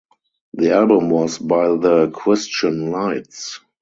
The album was by the Christian Lights.